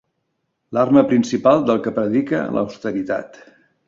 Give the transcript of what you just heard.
L'arma principal del que predica l'austeritat.